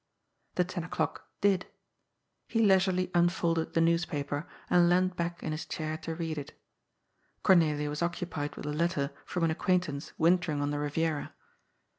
The ten o'clock did. He leisurely unfolded the news paper and leant back in his chair to read it. Cornelia was occupied with a letter from an acquaintance wintering on the Riviera.